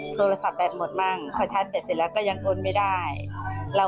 ข้อมูลตรวจสอบล่าสุดผู้หญิงคนนั้นคือนางสาววิมลลักษณ์อายุ๓๘